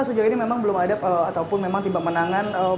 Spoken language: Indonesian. eva sejauh ini memang belum ada atau memanjakan belom mendaftarkan bersifat